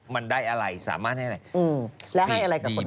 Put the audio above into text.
มันได้อะไรสามารถให้อะไร